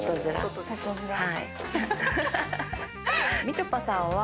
みちょぱさんは。